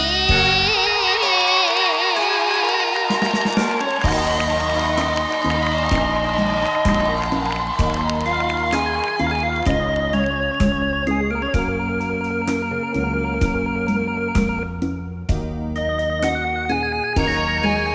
ธรรม